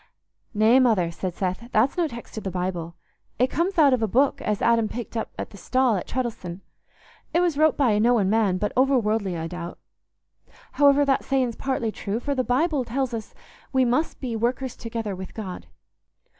'" "Nay, Mother," said Seth, "that's no text o' the Bible. It comes out of a book as Adam picked up at the stall at Treddles'on. It was wrote by a knowing man, but overworldly, I doubt. However, that saying's partly true; for the Bible tells us we must be workers together with God."